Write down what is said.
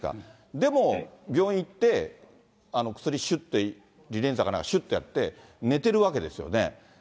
でも病院行って、薬しゅってやって、リレンザかなんかしゅってやって寝てるわけですよね。